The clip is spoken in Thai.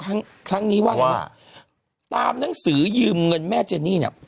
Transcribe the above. ครั้งนี้ว่างั้นว่าตามหนังสือยืมเงินแม่เจนี่เนี่ย